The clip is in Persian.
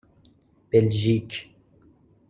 بلژیک